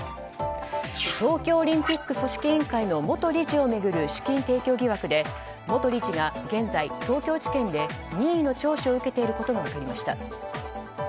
東京オリンピック組織委員会の元理事を巡る資金提供疑惑で、元理事が現在東京地検で任意の聴取を受けていることが分かりました。